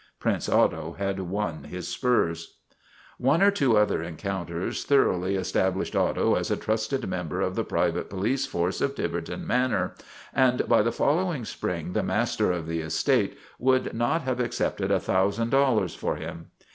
Prince Otto had won his spurs. One or two other such encounters thoroughly es tablished Otto as a trusted member of the private police force of Tiverton Manor, and by the follow ing spring the master of the estate would not have accepted a thousand dollars for him.